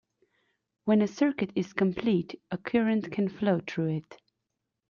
When a circuit is complete a current can flow through it.